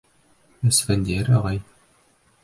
Әсфәндиәр ағай.